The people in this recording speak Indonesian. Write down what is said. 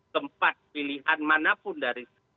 tempat pilihan manapun dari